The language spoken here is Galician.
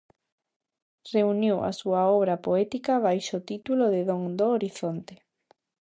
Reuniu a súa obra poética baixo o título de "Don do horizonte".